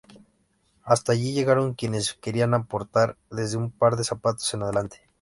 Hasta allí llegaron quienes querían aportar desde un par de zapatos en adelante.